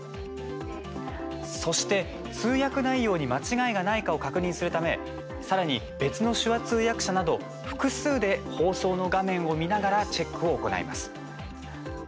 そして、通訳内容に間違いがないかを確認するためさらに別の手話通訳者など複数で放送の画面を見ながらチェックを行います。